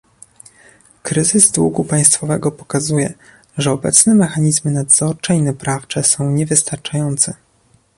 Kryzys długu państwowego pokazuje, że obecne mechanizmy nadzorcze i naprawcze są niewystarczające